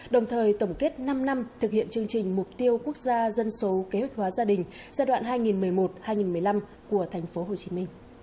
đồng thời tổng kết năm năm thực hiện chương trình mục tiêu quốc gia dân số kế hoạch hóa gia đình giai đoạn hai nghìn một mươi một hai nghìn một mươi năm của tp hcm